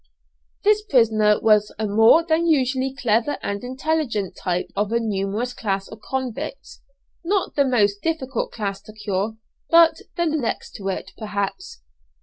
This prisoner was a more than usually clever and intelligent type of a numerous class of convicts not the most difficult class to cure, but the next to it, perhaps.